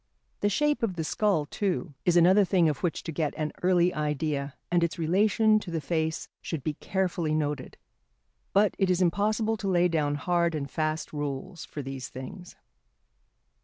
The shape of the skull, too, is another thing of which to get an early idea, and its relation to the face should be carefully noted. But it is impossible to lay down hard and fast rules for these things.